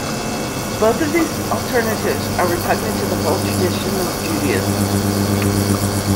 Both of these alternatives are repugnant to the whole tradition of Judaism.